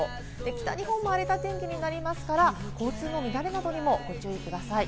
北日本も荒れた天気になりますから、交通の乱れなどにもご注意ください。